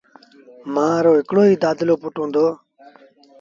مآ رو هڪڙو ئيٚ دآدلو پُٽ هُݩدو